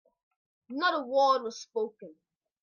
Not a word was spoken.